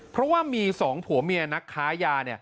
เพราะว่ามี๒ผัวเมียนักค้ายา